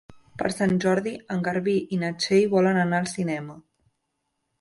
Per Sant Jordi en Garbí i na Txell volen anar al cinema.